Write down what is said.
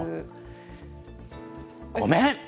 ごめん。